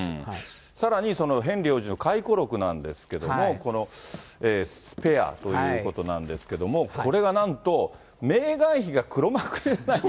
さらにそのヘンリー王子の回顧録なんですけども、この、スペアということなんですけども、これがなんとメーガン妃が黒幕じ